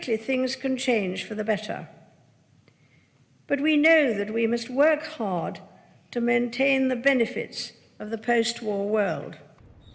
dalam hidup kita tuan presiden kita telah melihat yang terburuk tapi juga yang terbaik